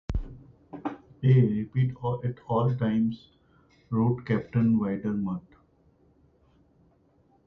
Repeat, at all times, wrote Captain Wildermuth.